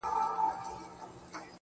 نن والله پاك ته لاسونه نيسم,